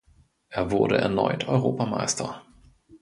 Er wurde erneut Europameister.